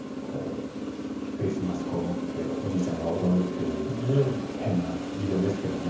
フェースマスクを持っておじいちゃんが踊るっていう変なビデオですけども。